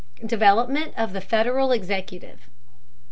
DEVELOPMENT OF THE FEDERAL EXECUTIVE.